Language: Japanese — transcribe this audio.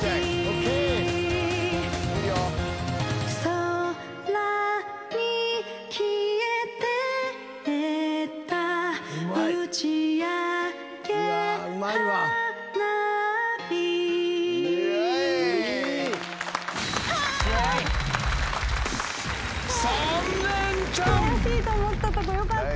怪しいと思ったとこよかった！